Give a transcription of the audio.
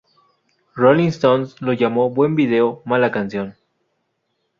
Rolling Stone lo llamó "buen video, mala canción".